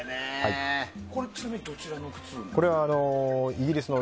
これ、ちなみにどちらの靴ですか？